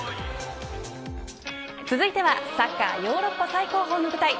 続いてはサッカーヨーロッパ最高峰の舞台ＵＥＦＡ